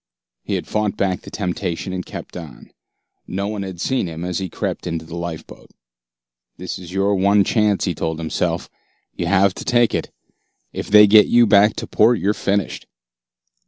He had fought back the temptation and kept on. No one had seen him as he crept into the lifeboat. "This is your one chance," he told himself. "You have to take it. If they get you back to port, you're finished."